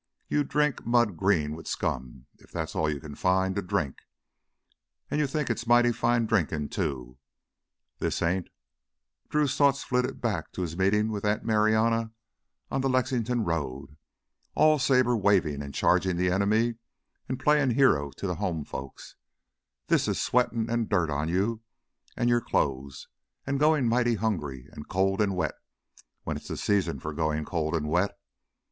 You drink mud green with scum if that's all you can find to drink, and you think it's mighty fine drinkin', too. This ain't " Drew's thoughts flitted back to his meeting with Aunt Marianna on the Lexington road "all saber wavin' and chargin' the enemy and playin' hero to the home folks; this is sweatin' and dirt on you and your clothes, goin' mighty hungry, and cold and wet when it's the season for goin' cold and wet.